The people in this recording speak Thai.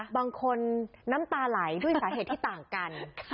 บางคนน้ำตาไหลด้วยสาเหตุที่ต่างกัน